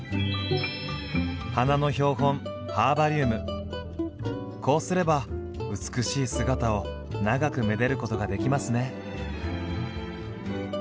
花の標本こうすれば美しい姿を長くめでることができますね。